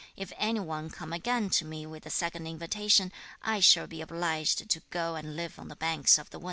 If any one come again to me with a second invitation, I shall be obliged to go and live on the banks of the Wan.'